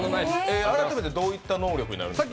改めてどういった能力になるんですか？